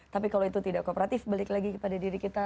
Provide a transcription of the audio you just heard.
tapi kalau itu tidak kooperatif balik lagi kepada diri kita